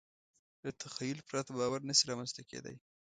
له تخیل پرته باور نهشي رامنځ ته کېدی.